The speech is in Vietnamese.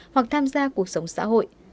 hoặc tham gia cuộc sống xã hội